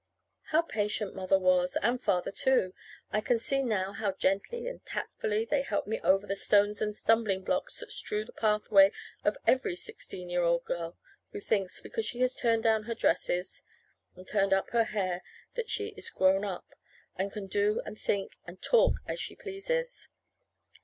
How patient Mother was, and Father, too! I can see now how gently and tactfully they helped me over the stones and stumbling blocks that strew the pathway of every sixteen year old girl who thinks, because she has turned down her dresses and turned up her hair, that she is grown up, and can do and think and talk as she pleases.